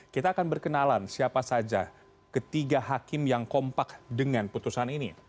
kita akan berkenalan siapa saja ketiga hakim yang kompak dengan putusan ini